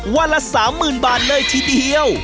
ละ๓๐๐๐บาทเลยทีเดียว